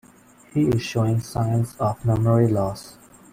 He is showing signs of memory loss.